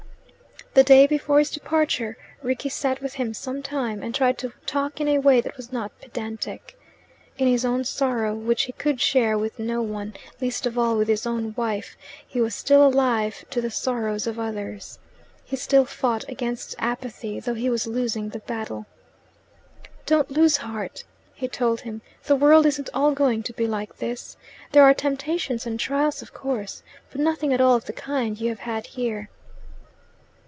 The day before his departure Rickie sat with him some time, and tried to talk in a way that was not pedantic. In his own sorrow, which he could share with no one, least of all with his wife, he was still alive to the sorrows of others. He still fought against apathy, though he was losing the battle. "Don't lose heart," he told him. "The world isn't all going to be like this. There are temptations and trials, of course, but nothing at all of the kind you have had here."